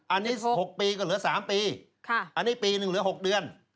อันนี้๖ปีก็เหลือ๓ปีอันนี้ปีหนึ่งเหลือ๖เดือน